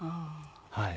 はい。